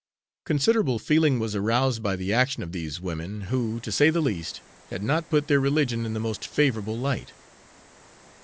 Considerable feeling was aroused by the action of these women, who, to say the least, had not put their religion in the most favorable light.